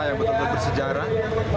yang betul betul menang di kota merapen